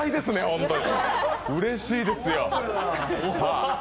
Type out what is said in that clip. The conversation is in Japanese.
本当に、うれしいですよ。